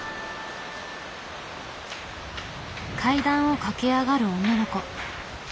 階段を駆け上がる女の子。